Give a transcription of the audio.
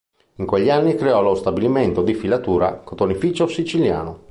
In quegli anni creò lo stabilimento di filatura "Cotonificio siciliano".